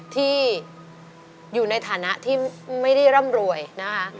ที่อยู่ในฐานะที่ไม่ได้ร่ำรวยนะคะ